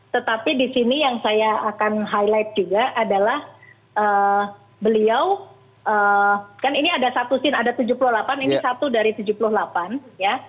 tetapi di sini yang saya akan highlight juga adalah beliau kan ini ada satu scene ada tujuh puluh delapan ini satu dari tujuh puluh delapan ya